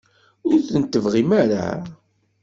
Ur ten-tebɣim ara?